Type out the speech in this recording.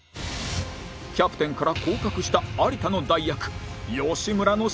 キャプテンから降格した有田の代役